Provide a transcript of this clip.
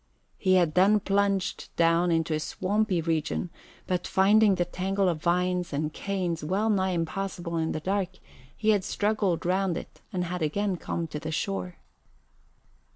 He had then plunged down into a swampy region, but, finding the tangle of vines and canes well nigh impassable in the dark, he had struggled round it and had again come to the shore.